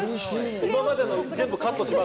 今までのを全部カットします。